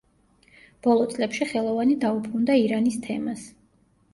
ბოლო წლებში ხელოვანი დაუბრუნდა ირანის თემას.